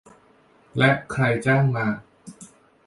และใครจ้างมา